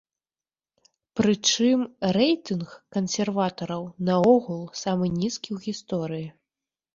Прычым рэйтынг кансерватараў наогул самы нізкі ў гісторыі.